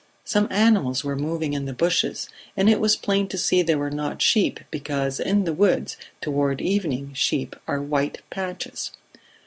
Some animals were moving in the bushes, and it was plain to see they were not sheep, because in the woods toward evening sheep are white patches.